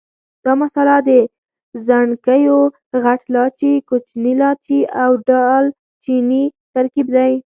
دا مساله د ځڼکیو، غټ لاچي، کوچني لاچي او دال چیني ترکیب دی.